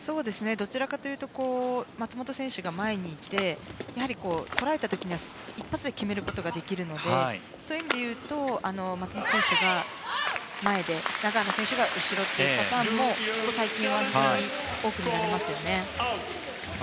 どちらかというと松本選手が前にいて捉えた時には一発で決めることができるのでそういう意味でいうと松本選手が前で、永原選手が後ろというパターンも最近は非常に多く見られますね。